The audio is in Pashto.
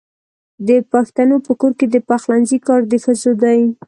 د پښتنو په کور کې د پخلنځي کار د ښځو دی.